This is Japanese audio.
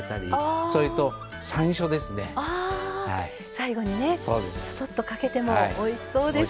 最後にねちょっとかけてもおいしそうです。